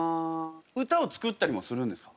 歌を作ったりもするんですか？